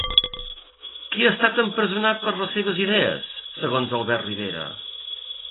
Qui ha estat empresonat per les seves idees segons Albert Rivera?